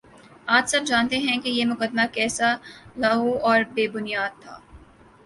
آج سب جانتے ہیں کہ یہ مقدمہ کیسا لغو اور بے بنیادتھا